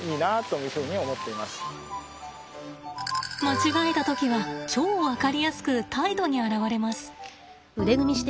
間違えた時は超分かりやすく態度に表れます。